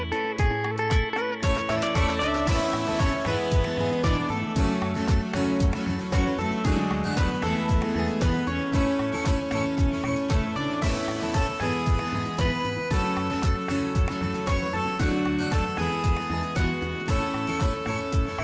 โปรดติดตามตอนต่อไป